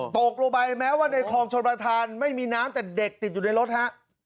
ตกลงไปแม้ว่าในคลองชนประธานไม่มีน้ำแต่เด็กติดอยู่ในรถฮะ